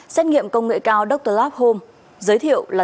sét nghiệm công nghệ cao dr lab home giới thiệu là